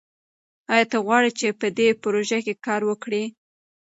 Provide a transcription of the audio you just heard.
ایا ته غواړې چې په دې پروژه کې کار وکړې؟